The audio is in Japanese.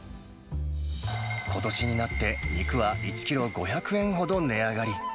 ことしになって、肉は１キロ５００円ほど値上がり。